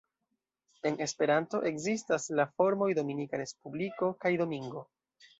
En Esperanto ekzistas la formoj "Dominika Respubliko" kaj "Domingo".